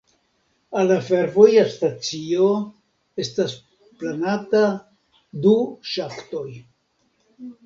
Al la fervoja stacio estas planata du ŝaktoj.